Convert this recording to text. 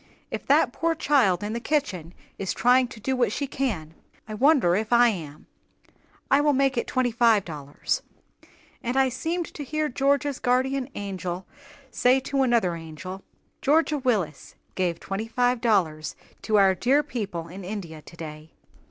"If that poor child in the kitchen is trying to do what she can, I wonder if I am. I will make it twenty five dollars." And I seemed to hear Georgia's guardian angel say to another angel, "Georgia Willis gave twenty five dollars to our dear people in India today."